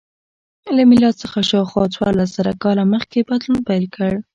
له میلاد څخه شاوخوا څوارلس زره کاله مخکې بدلون پیل کړ.